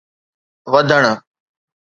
وڌڻ